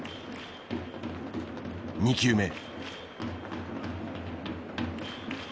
２球目。